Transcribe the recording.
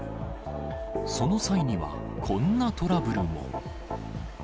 その際には、こんなトラブルも。